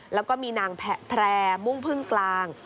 แล้วก็มีนางแพร่มุ่งพึ่งกลาง